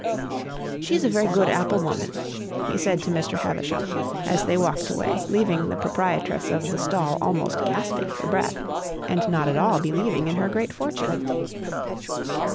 "She's a very good apple woman," he said to Mr. Havisham, as they walked away, leaving the proprietress of the stall almost gasping for breath, and not at all believing in her great fortune.